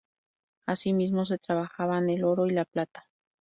Asimismo se trabajaban el oro y la plata.